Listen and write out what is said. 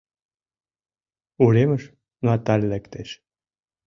Уремыш Наталь лектеш.